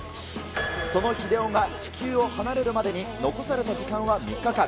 その日出男が地球を離れるまでに残された時間は３日間。